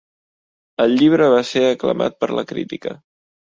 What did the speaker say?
El llibre va ser aclamat per la crítica.